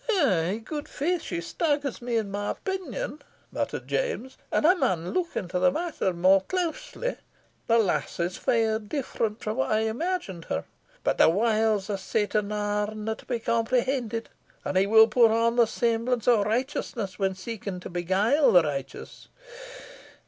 "I' gude faith she staggers me in my opinion," muttered James, "and I maun look into the matter mair closely. The lass is far different frae what I imagined her. But the wiles o' Satan arena to be comprehended, and he will put on the semblance of righteousness when seeking to beguile the righteous.